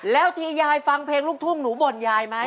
แล้วทียายฟังเพลงลูกทุ่งหนูบ่นยายไหม